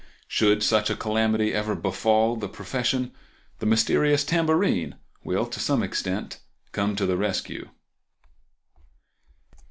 Should such a calamity ever befall the profession the mysterious tambourine will, to some extent, come to the rescue.